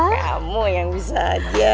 kamu yang bisa aja